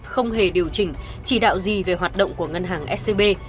không hề điều chỉnh chỉ đạo gì về hoạt động của ngân hàng scb